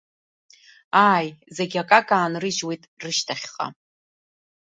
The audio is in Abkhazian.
Ааи, зегьы акака аанрыжьуеит рышьҭахьҟа.